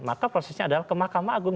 maka prosesnya adalah ke mahkamah agung